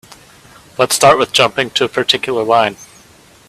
Let's start with jumping to a particular line.